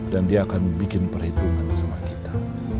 dan dia akan bikin perhitungan sama kita